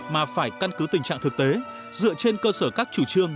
mà phải căn cứ tình trạng thực tế dựa trên cơ sở các chủ trương